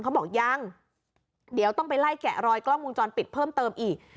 เขาบอกยังเดี๋ยวต้องไปไล่แกะรอยกล้องวงจรปิดเพิ่มเติมอีก